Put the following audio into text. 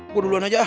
gue duluan aja ah